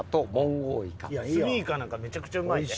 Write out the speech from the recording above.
スミイカなんかめちゃくちゃうまいで。